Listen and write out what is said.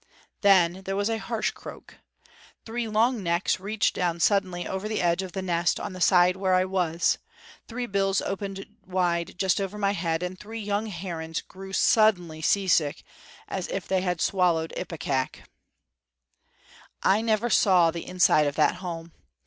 Then there was a harsh croak. Three long necks reached down suddenly over the edge of the nest on the side where I was; three long bills opened wide just over my head; and three young herons grew suddenly seasick, as if they had swallowed ipecac. I never saw the inside of that home.